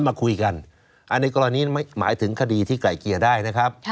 มาคุยกันอันนี้กรณีหมายถึงคดีที่ไกลเกลี่ยได้นะครับ